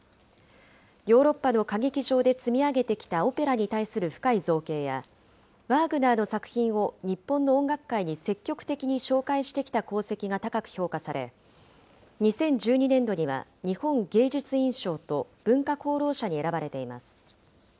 ヨーロッパの歌劇場で積み上げてきたオペラに対する深い造詣や、ワーグナーの作品を日本の音楽界に積極的に紹介してきた功績が高く評価され、２０１２年度には日本芸術院賞と文化功労者に選ばれています。